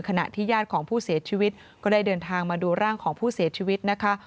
ขณะที่ญาติของผู้เสียชีวิตก็ได้เดินทางมาดูร่างของผู้เสียชีวิตนะคะ